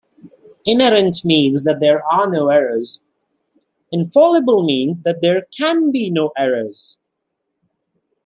Inerrant' means there are no errors; 'infallible' means there "can be" no errors.